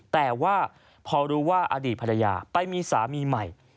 แต่ว่าพอรู้ว่าอดีตภรรยาไปมีสามีใหม่